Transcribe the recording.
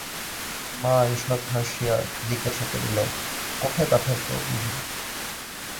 মা ঈষৎ হাসিয়া জিজ্ঞাসা করিলেন, কোথায় পাঠাইব বিভু।